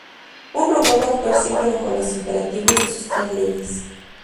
Un robot va a actuar siempre bajo los imperativos de sus tres leyes.